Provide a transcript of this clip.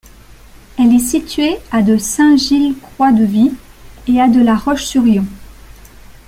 Elle est située à de Saint-Gilles-Croix-de-Vie et à de La Roche-sur-Yon.